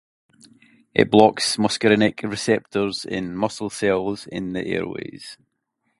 It blocks muscarinic receptors in muscle cells in the airways.